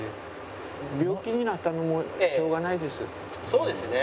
そうですね。